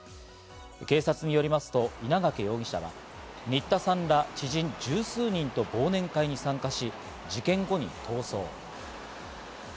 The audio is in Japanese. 警察によりますと稲掛容疑者は新田さんら知人十数人と忘年会に参加し、事件後に逃走。